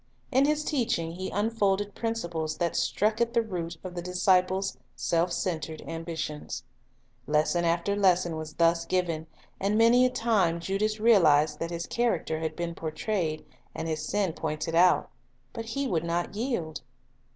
In His teaching He unfolded principles that struck at the root of the disciple's self centered ambitions. Lesson after lesson was thus given, and many a time Judas realized that his character had been portrayed, and his sin pointed out; but he would not yield.